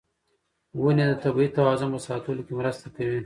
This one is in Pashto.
ونې د طبیعي توازن په ساتلو کې مرسته کوي.